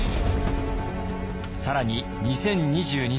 更に２０２２年